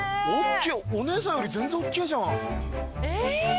お姉さんより全然おっきいじゃん。